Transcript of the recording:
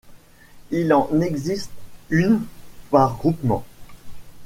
Il en existe une par Groupement.